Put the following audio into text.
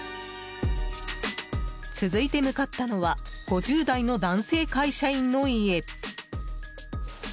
続いて向かったのは５０代の男性会社員の家。